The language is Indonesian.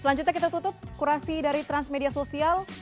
selanjutnya kita tutup kurasi dari transmedia sosial